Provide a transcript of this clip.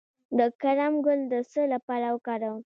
د کرم ګل د څه لپاره وکاروم؟